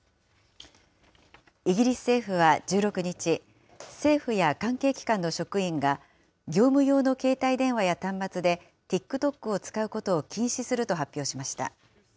イギリス政府は１６日、政府や関係機関の職員が、業務用の携帯電話や端末で、ＴｉｋＴｏｋを使うことを禁止すると発表しました。